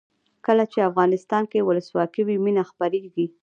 کله چې افغانستان کې ولسواکي وي مینه خپریږي.